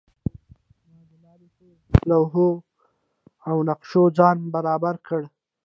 ما د لارې په لوحو او نقشو ځان برابر کړ.